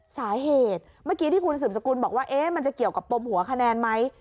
สาเหตุเมื่อกี้ที่คุณสืบสกุลบอกว่ามันจะเกี่ยวกับปมหัวคะแนนไหม